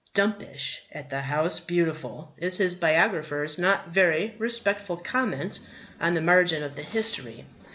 "Dumpish at the House Beautiful" is his biographer's not very respectful comment on the margin of the history.